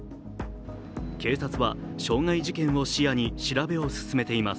警察は傷害事件を視野に調べを進めています。